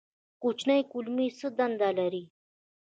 کوچنۍ کولمې څه دنده لري؟